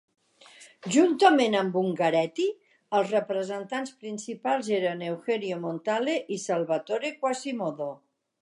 Juntament amb Ungaretti, els representants principals eren Eugenio Montale i Salvatore Quasimodo.